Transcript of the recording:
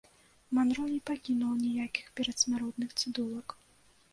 Манро не пакінула ніякіх перадсмяротных цыдулак.